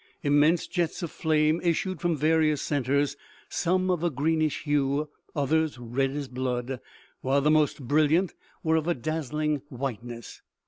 Immense jets of flame issued from various centers, some of a greenish hue, others red as blood, while the most brilliant were of a dazzling white ness.